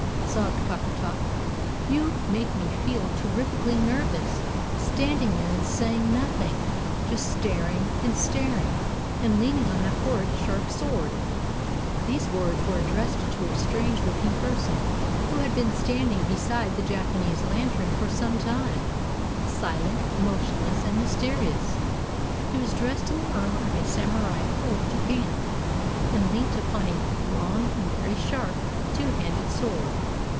sobbed Coppertop. "You make me feel terrifikly nervous, standing there and saying nothing; just staring and staring, and leaning on that horrid, sharp sword!" These words were addressed to a strange looking person, who had been standing beside the Japanese Lantern for some time, silent, motionless, and mysterious. He was dressed in the armour of a Samurai of old Japan, and leant upon a long and very sharp two handed sword.